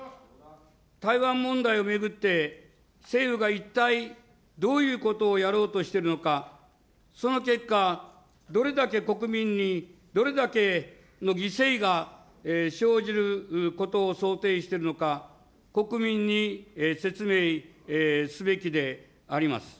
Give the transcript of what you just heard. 台湾問題を巡って、政府が一体どういうことをやろうとしているのか、その結果、どれだけ国民にどれだけの犠牲が生じることを想定してるのか、国民に説明すべきであります。